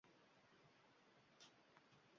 xodimni vaqtincha boshqa ishga o‘tkazilishi